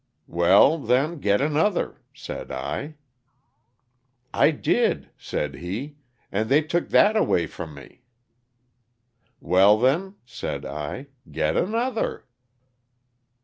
''Well then, get another," said I. "I did," said he, ''and they took that away from me." '' Well, then," said I, "get another."